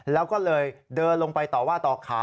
แล้วก็เลยเดินลงไปต่อว่าต่อขา